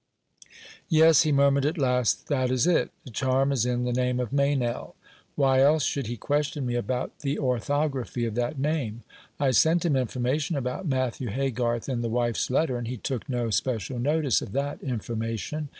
"Yes," he murmured at last, "that is it. The charm is in the name of Meynell. Why else should he question me about the orthography of that name? I sent him information about Matthew Haygarth in the wife's letters, and he took no special notice of that information.